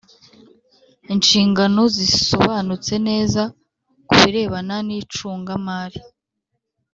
inshingano zisobanutse neza ku birebana nicunga mari